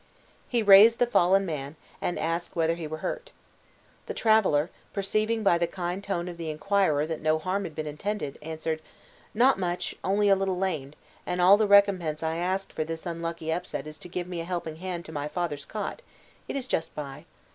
He raised the fallen man, and asked whether he were hurt. The traveler, perceiving by the kind tone of the inquirer that no harm had been intended, answered, "Not much, only a little lamed, and all the recompense I ask for this unlucky upset is to give me a helping hand to my father's cot it is just by.